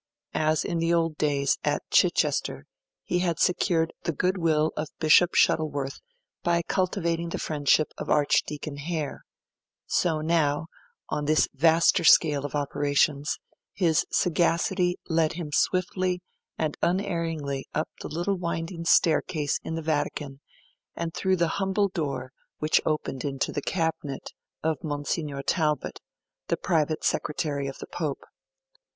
As in the old days, at Chichester, he had secured the goodwill of Bishop Shuttleworth by cultivating the friendship of Archdeacon Hare, so now, on this vaster scale of operations, his sagacity led him swiftly and unerringly up the little winding staircase in the Vatican and through the humble door which opened into the cabinet of Monsignor Talbot, the private secretary of the Pope.